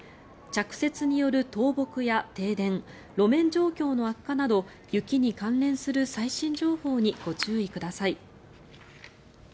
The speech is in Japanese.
着雪による倒木や停電路面状況の悪化など雪に関連する最新情報にご注意ください。